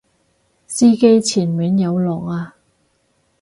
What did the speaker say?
司機前面有落啊！